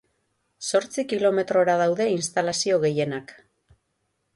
Zortzi kilometrora daude instalazio gehienak.